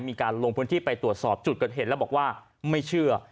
มีการลงพื้นที่ไปตรวจสอบจุดเกิดเหตุแล้วบอกว่าไม่เชื่อ